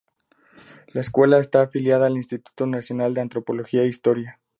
La escuela está afiliada al Instituto Nacional de Antropología e Historia.